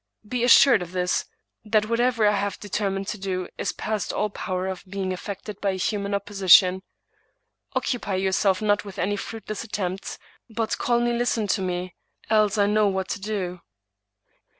Be assured of this — ^that whatever I have determined to do is past all power of being affected by a human opposi tion. Occupy yourself not with any fruitless attempts, but calmly listen to me, else I know what to do."